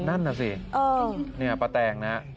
นั่นน่ะสินี่ป้าแตงนะ